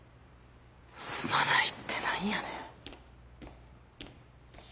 「すまない」って何やねん。